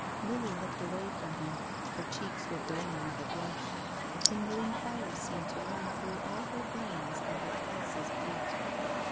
" Lily looked away from him. Her cheeks were burning with a blush. A tingling fire seemed to run through all her veins and her pulses beat.